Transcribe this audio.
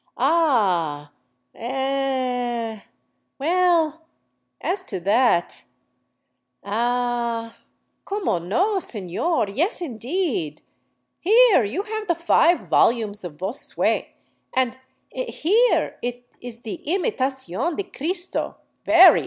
" Ah — er — well, as to that — ah — como no, sefior — yes, in deed! Here you have the five volumes of Bossuet, and — and here is the * Imitacion de Cristo '— very